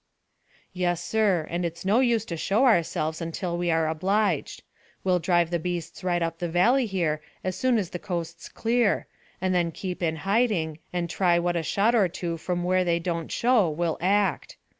"Yes, sir; and it's no use to show ourselves till we are obliged. We'll drive the beasts right up the valley here as soon as the coast's clear, and then keep in hiding and try what a shot or two from where they don't show will act.